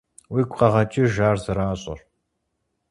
Уигу къэгъэкӀыж ар зэращӀыр.